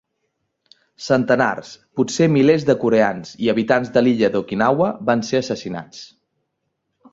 Centenars, potser milers de coreans i habitants de l'illa d'Okinawa van ser assassinats.